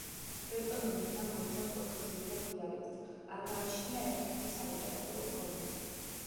ბრეტონული ენა მოიცავს ოთხ ძირითად დიალექტს; არ გააჩნია ერთიანი სალიტერატურო ფორმა.